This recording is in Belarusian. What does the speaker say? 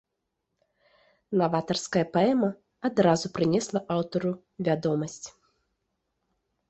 Наватарская паэма адразу прынесла аўтару вядомасць.